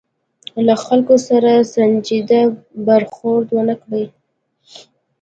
له خلکو سره ناسنجیده برخورد ونه کړي.